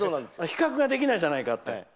比較ができないじゃないかって。